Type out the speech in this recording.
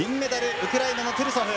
ウクライナのトゥルソフ。